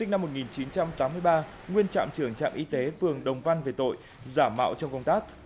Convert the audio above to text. năm một nghìn chín trăm tám mươi ba nguyên trạm trưởng trạm y tế phường đồng văn về tội giả mạo trong công tác